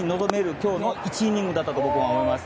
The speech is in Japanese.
今日の１イニングだったと僕は思います。